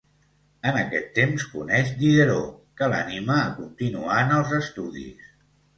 En aquest temps coneix Diderot, que l'anima a continuar en els estudis.